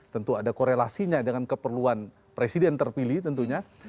tentu ada korelasinya dengan keperluan presiden terpilih tentunya